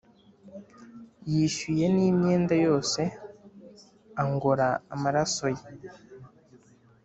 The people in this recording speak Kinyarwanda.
Yishyuye n’imyenda yose angora amaraso ye